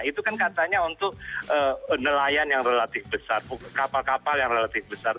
itu kan katanya untuk nelayan yang relatif besar kapal kapal yang relatif besar